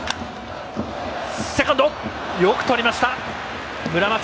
セカンド、よくとりました。